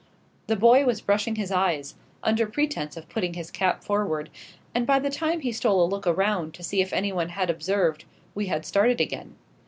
The boy was brushing his eyes, under pretence of putting his cap forward; and by the time he stole a look around to see if anyone had observed, we had started again.